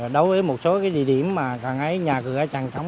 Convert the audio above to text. đối với một số địa điểm nhà cửa tràn trống